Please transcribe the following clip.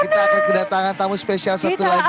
kita akan kedatangan tamu spesial satu lagi